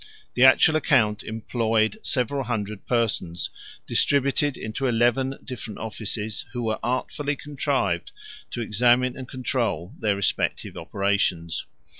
The actual account employed several hundred persons, distributed into eleven different offices, which were artfully contrived to examine and control their respective operations.